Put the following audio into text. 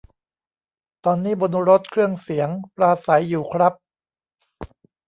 ตอนนี้บนรถเครื่องเสียงปราศรัยอยู่ครับ